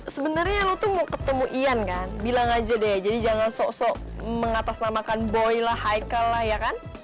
sebenarnya lo tuh mau ketemu ian kan bilang aja deh jadi jangan sok sok mengatasnamakan boylah hikal lah ya kan